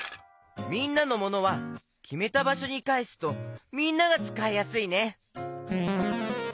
みんなのモノはきめたばしょにかえすとみんながつかいやすいね！